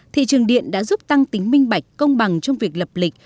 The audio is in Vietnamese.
thị trường điện đã giúp tăng tính minh bạch công bằng trong việc lập lịch